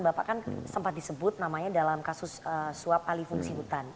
bapak kan sempat disebut namanya dalam kasus suap alih fungsi hutan